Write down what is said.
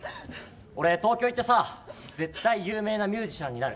俺、東京行ってさ絶対有名なミュージシャンになる。